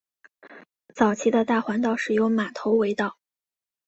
早期的大环道是由马头围道。